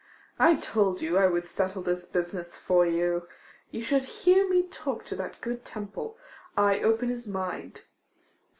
I told you I would settle this business for you. You should hear me talk to that good Temple. I open his mind.